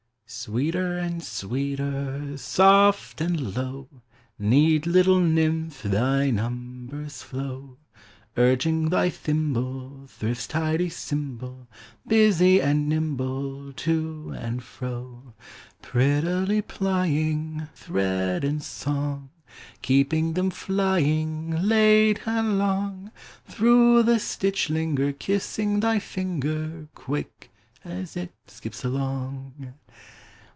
Sweeter and sweeter, Soft and low. Neat little nymph. Thy numbers flow, Urging thy thimble. Thrift's tidy symbol. Busy and nimble. To and fro; Prettily plying Tin end and song. 114 POEMS OF HOME Keeping them flying Late and long. Through the stitch linger, Kissing thy finger, Quick, — as it skips along.